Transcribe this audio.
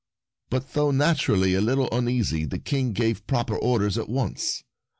But though naturally a little uneasy the King gave proper orders at once.